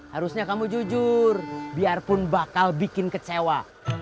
harusnya kamu jujur biarpun bakal bikin kecewa